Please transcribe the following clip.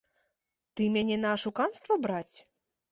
Ты мяне на ашуканства браць?